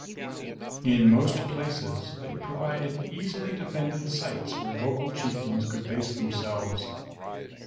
In most places they provided easily defended sites where local chieftains could base themselves.